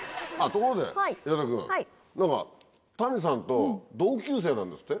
ところで、岩田君、なんか谷さんと同級生なんですって。